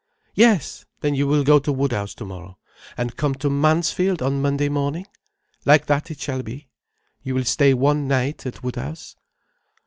"Yes! Then you will go to Woodhouse tomorrow, and come to Mansfield on Monday morning? Like that shall it be? You will stay one night at Woodhouse?"